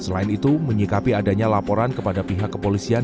selain itu menyikapi adanya laporan kepada pihak kepolisian